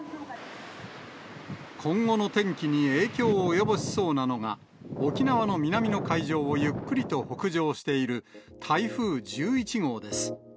今後の天気に影響を及ぼしそうなのが、沖縄の南の海上をゆっくりと北上している台風１１号です。